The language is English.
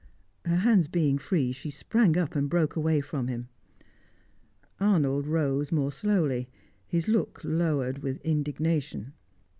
Her hands being free, she sprang up and broke away from him. Arnold rose more slowly, his look lowered with indignation.